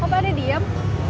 kok pada diem